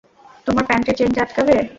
তোমার প্যান্টের চেইনটা আটকাবে?